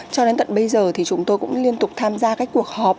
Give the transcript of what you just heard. cho đến tận bây giờ thì chúng tôi cũng liên tục tham gia các cuộc họp